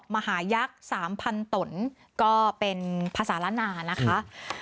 มหายักษ์สามพันธุ์ตนก็เป็นภาษาละนานะคะ